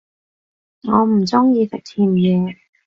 我唔鍾意食甜野